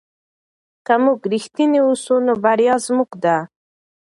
که موږ رښتیني اوسو نو بریا زموږ ده.